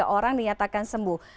orang dinyatakan sembuh